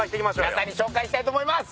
皆さんに紹介したいと思います！